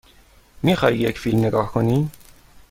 می خواهی یک فیلم نگاه کنی؟